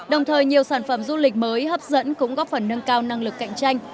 đồng thời nhiều sản phẩm du lịch mới hấp dẫn cũng góp phần nâng cao năng lực cạnh tranh